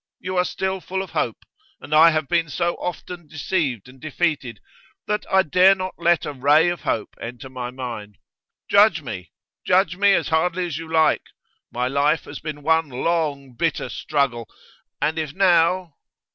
You are still full of hope, and I have been so often deceived and defeated that I dare not let a ray of hope enter my mind. Judge me; judge me as hardly as you like. My life has been one long, bitter struggle, and if now